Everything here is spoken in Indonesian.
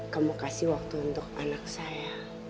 kamu kasih waktu untuk anak saya